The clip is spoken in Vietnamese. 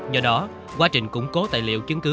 do đó quá trình củng cố tài liệu chứng cứ